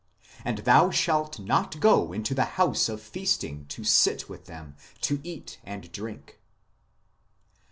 And thou shalt not go into the house of feasting to sit with them, to eat and drink."